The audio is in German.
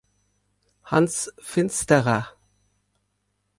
Hans Finsterer.